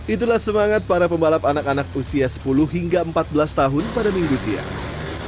itulah semangat para pembalap anak anak usia sepuluh hingga empat belas tahun pada minggu siang